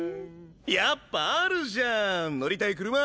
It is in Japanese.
やっぱあるじゃん乗りたい車。